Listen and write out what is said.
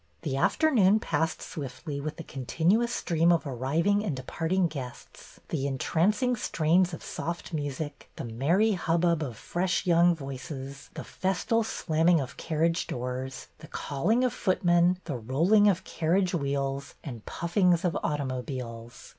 The afternoon passed swiftly with the continu ous stream of arriving and departing guests, the entrancing strains of soft music, the merry hub bub of fresh young voices, the festal slamming of carriage doors, the calling of footmen, the rolling of carriage wheels, and puffings of automobiles.